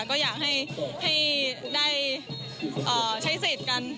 ก็อยากให้ได้ใช้สิทธิ์กัน